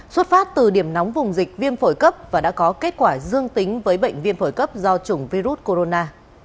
xuất phát từ điểm nóng vùng dịch viêm phổi cấp và đã có kết quả dương tính với bệnh viêm phổi cấp do chủng virus corona